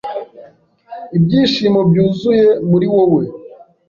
Ibyishimo byuzuye muri wowe